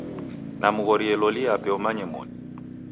Namghoria loli yape umanye moni.